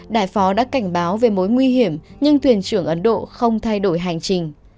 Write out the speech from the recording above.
đại phó đã cảnh báo về mối nguy hiểm nhưng thuyền trưởng ấn độ không thay đổi hành trình